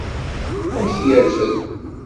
Ad k-yerfed.